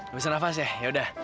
gak bisa nafas ya yaudah